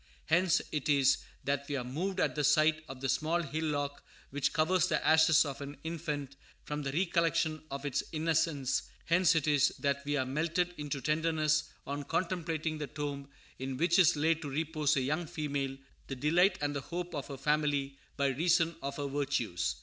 Hence it is that we are moved at the sight of the small hillock which covers the ashes of an infant, from the recollection of its innocence; hence it is that we are melted into tenderness on contemplating the tomb in which is laid to repose a young female, the delight and the hope of her family by reason of her virtues.